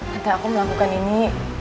nanti aku melakukan ini